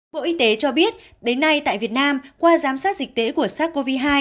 bộ y tế cho biết đến nay tại việt nam qua giám sát dịch tễ của sars cov hai